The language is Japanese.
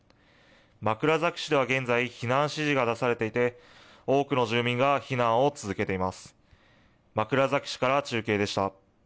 枕崎市では現在、避難指示が出されていて、多くの住民が避難を続けています。